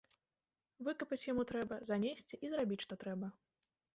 Выкапаць яму трэба, занесці і зрабіць што трэба.